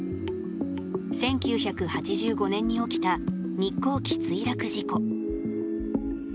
１９８５年に起きた日航機墜落事故。